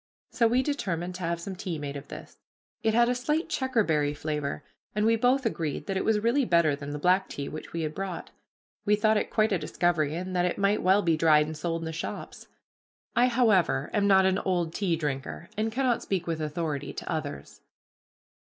So we determined to have some tea made of this. It had a slight checkerberry flavor, and we both agreed that it was really better than the black tea which we had brought. We thought it quite a discovery, and that it might well be dried and sold in the shops. I for one, however, am not an old tea drinker and cannot speak with authority to others.